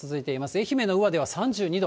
愛媛の宇和では３２度。